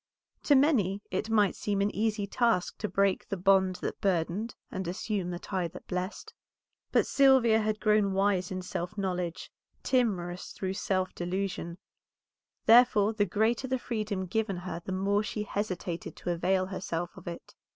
To many it might seem an easy task to break the bond that burdened and assume the tie that blessed. But Sylvia had grown wise in self knowledge, timorous through self delusion; therefore the greater the freedom given her the more she hesitated to avail herself of it.